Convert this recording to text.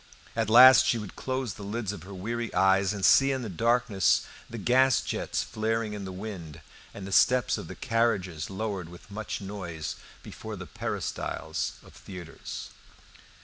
At last she would close the lids of her weary eyes, and see in the darkness the gas jets flaring in the wind and the steps of carriages lowered with much noise before the peristyles of theatres.